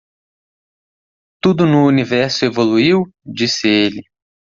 "Tudo no universo evoluiu?", disse ele.